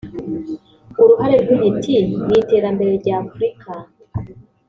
“Uruhare rw’intiti mu iterambere rya Afurika